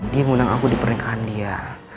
dia ngundang aku di pernikahan dia